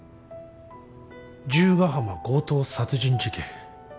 十ヶ浜強盗殺人事件。